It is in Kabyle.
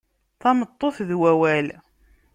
Tameṭṭut d wawal.